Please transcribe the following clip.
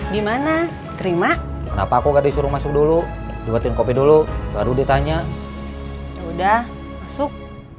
gimana terima kenapa aku gak disuruh masuk dulu dibuatin kopi dulu baru ditanya yaudah masuk